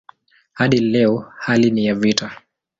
Hadi leo hali ni ya vita.